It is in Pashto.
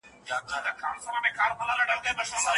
ما پرون له بازاره خورا تازه نعناع او د سیاه دانې تېل واخیستل.